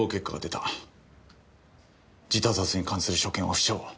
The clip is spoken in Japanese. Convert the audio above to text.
自他殺に関する所見は不詳。